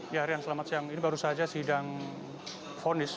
ya rian selamat siang ini baru saja sidang fonis